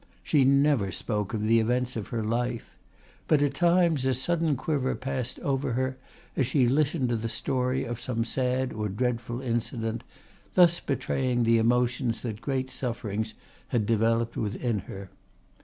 She never spoke of the events of her life. But at times a sudden quiver passed over her as she listened to the story of some sad or dreadful incident, thus betraying the emotions that great sufferings had developed within her.